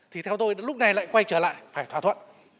thì theo tôi lúc này lại quay trở lại phải thỏa thuận